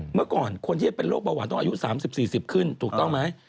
เมื่อก่อนคนที่จะเป็นโรคเบาหวานต้องอายุ๓๐๔๐ขึ้นถูกต้องไหม